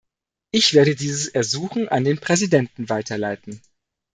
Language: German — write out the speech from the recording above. Ich werde dieses Ersuchen an den Präsidenten weiterleiten.